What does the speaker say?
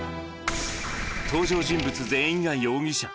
登場人物全員が容疑者。